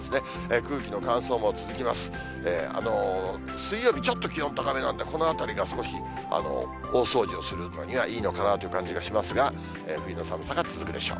水曜日、ちょっと気温高めなんで、このあたりが少し、大掃除をするにはいいのかなという感じがしますが、冬の寒さが続くでしょう。